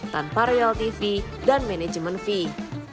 tanpa royalti fee dan manajemen fee